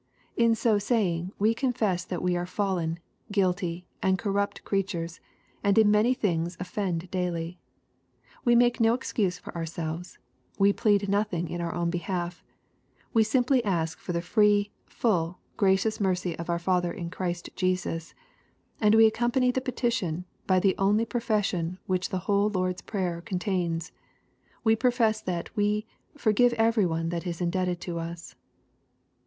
In so saying, we confess that we are fallen, guilty, and corrupt creatures, and in many things offend daily. We make no excuse for ourselves. We plead nothing in our own behalf. We simply ask for the free, full, gracious mercy of our Father in Christ Jesus. And we accompany the petition by the only pro fession which the whole Lord's Prayer contains. We pro fess that we " forgive every one that is indebted to us."